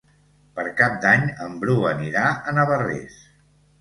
Per Cap d'Any en Bru anirà a Navarrés.